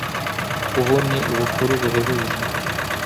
ubu ni ubukuru buhebuje